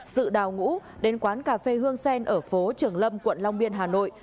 sự đào ngũ đến quán cà phê hương sen ở phố trường lâm quận long biên hà nội